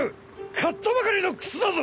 買ったばかりの靴だぞ！